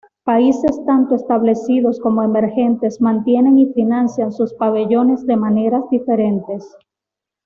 Países tanto establecidos como emergentes mantienen y financian sus pabellones de maneras diferentes.